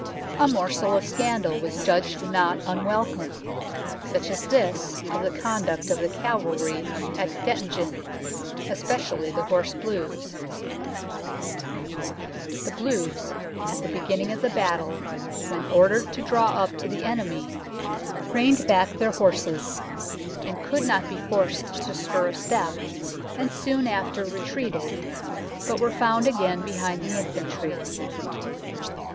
A morsel of scandal 94 UNKNOWN LONDON was judged not unwelcome, such as this of the conduct of the cavalry at Dettingen, " especially the Horse Bleus "" The Bleus at the beginning of the Battle, when ordered to draw up to the enemy, reined back their horses, and could not be forced to stir a step, and soon after retreated, but were found again behind the Infantry."